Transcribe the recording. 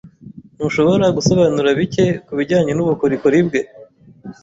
Ntushobora gusobanura bike kubijyanye n'ubukorikori bwe?